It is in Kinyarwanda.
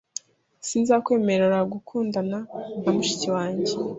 Sinzakwemerera gukundana na mushiki wanjye .